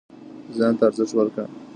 ځان ته ارزښت ورکړه